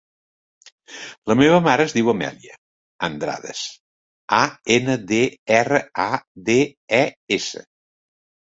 La meva mare es diu Amèlia Andrades: a, ena, de, erra, a, de, e, essa.